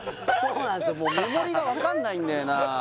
もう目盛りが分かんないんだよな